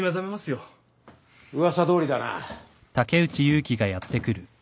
・噂どおりだな。